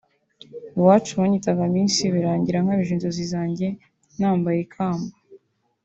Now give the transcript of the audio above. iwacu banyitaga Miss birangira nkabije inzozi zanjye nambaye ikamba